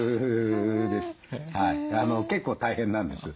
結構大変なんです。